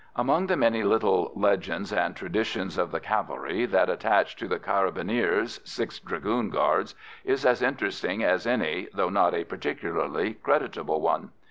Among the many little legends and traditions of the cavalry, that attaching to the Carabiniers (Sixth Dragoon Guards) is as interesting as any, though not a particularly creditable one.